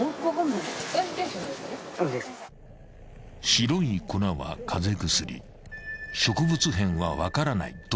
［「白い粉は風邪薬」「植物片は分からない」と言い張る男］